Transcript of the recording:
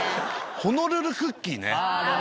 ホノルルクッキーね。